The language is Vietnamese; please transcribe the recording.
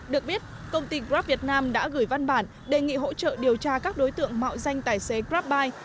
được biết công ty grab việt nam đã gửi văn bản đề nghị hỗ trợ điều tra các đối tượng mạo danh tài xế grabbuy